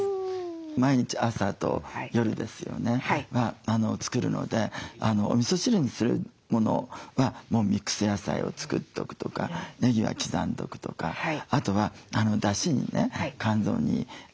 毎日朝と夜ですよねは作るのでおみそ汁にするものはもうミックス野菜を作っとくとかねぎは刻んどくとかあとはだしにね肝臓にいいアサリを冷凍しとくとか。